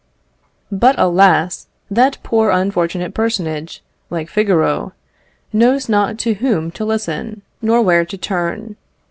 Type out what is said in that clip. But, alas! that poor unfortunate personage, like Figaro, knows not to whom to listen, nor where to turn.